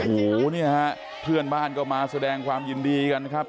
โอ้โหเนี่ยฮะเพื่อนบ้านก็มาแสดงความยินดีกันนะครับ